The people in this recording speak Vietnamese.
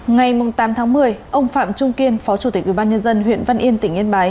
ngày tám tháng một mươi ông phạm trung kiên phó chủ tịch ubnd huyện văn yên tỉnh yên bái